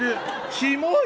キモい！